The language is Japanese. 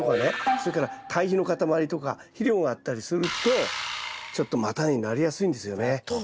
それから堆肥の塊とか肥料があったりするとちょっと叉根になりやすいんですよね。